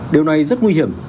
điều này rất nguy hiểm